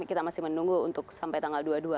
kita masih menunggu untuk sampai tanggal dua puluh dua